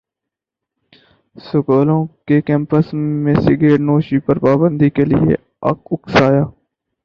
سکولوں کو کیمپس میں سگرٹنوشی پر پابندی کے لیے اکسایا